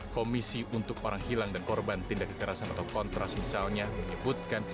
komisi untuk orang hilang dan korban tindak kekerasan atau kontras misalnya menyebutkan